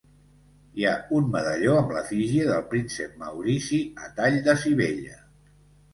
Hi ha un medalló amb l'efígie del príncep Maurici a tall de sivella.